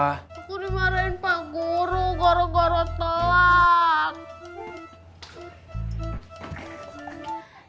aku dimarahin pak guru gara gara telat